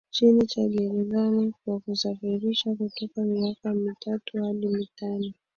chini cha gerezani kwa kusafirisha kutoka miaka mitatu hadi mitano